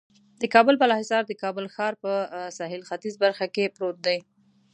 د کابل بالا حصار د کابل ښار په سهیل ختیځه برخه کې پروت دی.